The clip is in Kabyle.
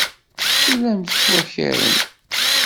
Tellam tettwakarem.